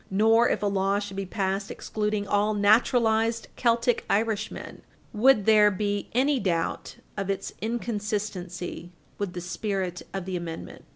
Nor, if a law should be passed excluding all naturalized Celtic Irishmen, would there be any doubt of its inconsistency with the spirit of the amendment.